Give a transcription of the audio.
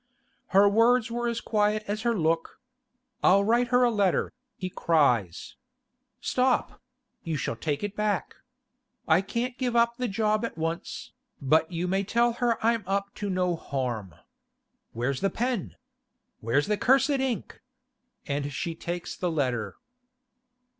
Her words were as quiet as her look. 'I'll write her a letter,' he cries. 'Stop; you shall take it back. I can't give up the job at once, but you may tell her I'm up to no harm. Where's the pen? Where's the cursed ink?' And she takes the letter.